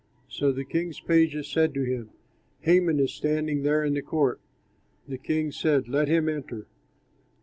So the king's pages said to him, "Haman is standing there in the court." The king said, "Let him enter."